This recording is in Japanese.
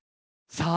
さあ